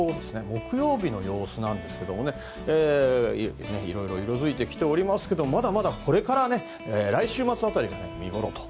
木曜日の様子ですけどもいろいろ色づいてきてますけどこれから来週末辺りが見ごろと。